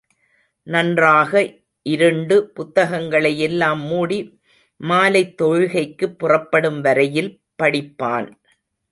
நன்றாக இருண்டு புத்தகங்களை எல்லாம் மூடி மாலைத் தொழுகைக்குப் புறப்படும் வரையில் படிப்பான்.